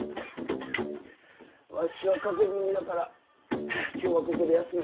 わしは風邪気味だから今日はここで休む。